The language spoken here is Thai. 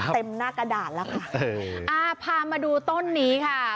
เต็มหน้ากระดาษแล้วค่ะอ่าพามาดูต้นนี้ค่ะ